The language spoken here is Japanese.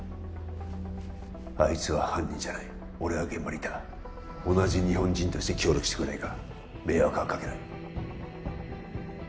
あいつは犯人じゃない俺は現場にいた同じ日本人として協力してくれないか迷惑はかけない